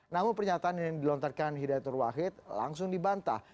namun pernyataan yang dilontarkan hidayat nur wahid langsung dibantah